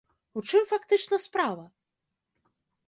У чым фактычна справа?